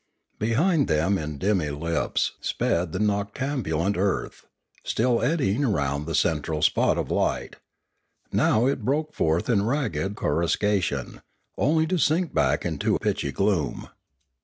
Behind them in dim eclipse sped the noctambulant earth, still eddying round the central spot of light; now it broke forth in ragged coruscation, only to sink back into pitchy gloom.